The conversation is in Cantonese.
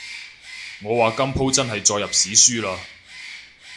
我話今舖真係載入史書喇